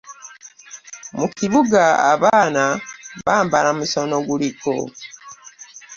Mu kibuga abaana bambala musono guliko.